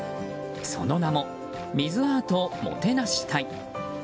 その名も、水アートもてなし隊。